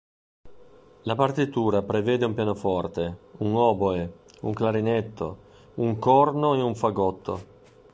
La partitura prevede un pianoforte, un oboe, un clarinetto, un corno e un fagotto.